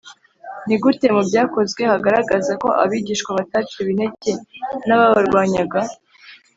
Ni gute mu byakozwe hagaragaza ko abigishwa bataciwe intege n’ababarwanyaga